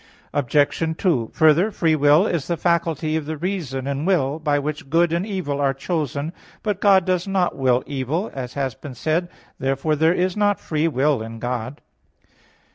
Obj. 2: Further, free will is the faculty of the reason and will, by which good and evil are chosen. But God does not will evil, as has been said (A. 9). Therefore there is not free will in God.